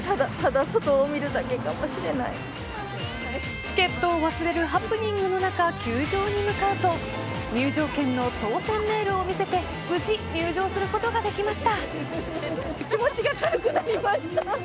チケットを忘れるハプニングの中球場に向かうと入場券の当選メールを見せて無事、入場することができました。